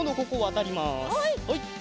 はい。